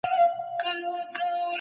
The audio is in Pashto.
د حج په مابينځ کي مي خپلي خوني ولیدلې.